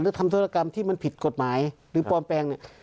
หรือทำธุรกรรมที่มันผิดกฎหมายหรือปลอมแปลง